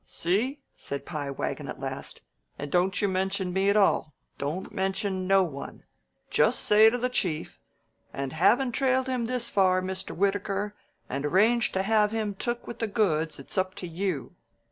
"See?" said Pie Wagon at last. "And don't you mention me at all. Don't mention no one. Just say to the Chief: 'And havin' trailed him this far, Mr. Wittaker, and arranged to have him took with the goods, it's up to you?'